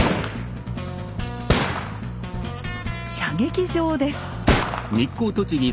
射撃場です。